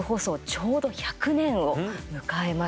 ちょうど１００年を迎えます。